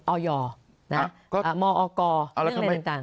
ออย่อมอกเรื่องอะไรต่าง